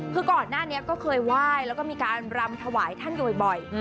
คือก่อนหน้านี้ก็เคยไหว้แล้วก็มีการรำถวายท่านอยู่บ่อย